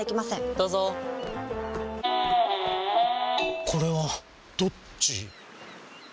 どうぞこれはどっち？